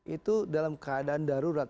itu dalam keadaan darurat